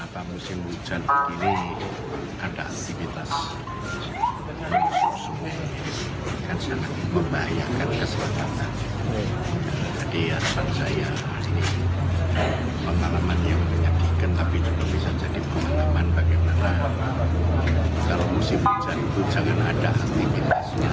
kondisi perusahaan bagaimana kalau musim hujan itu jangan ada aktivitasnya